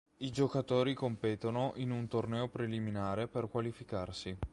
I giocatori competono in un torneo preliminare per qualificarsi.